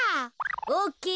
オッケー。